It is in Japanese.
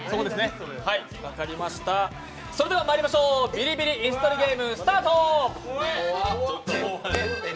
それではまいりましょう、「ビリビリ椅子取りゲーム」スタート！